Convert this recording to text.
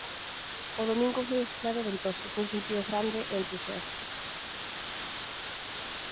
O domingo foi claro e ventoso cun xentío grande e entusiasta.